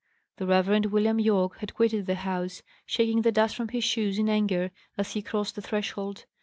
The Reverend William Yorke had quitted the house, shaking the dust from his shoes in anger, as he crossed the threshold.